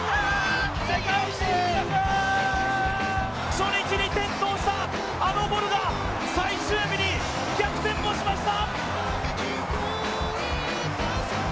初日に転倒した、あのボルが最終日に逆転をしました！